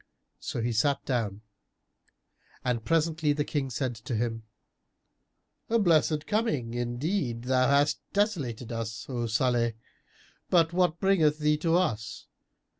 So he sat down and presently the King said to him, "A blessed coming: indeed thou hast desolated us, O Salih! But what bringeth thee to us?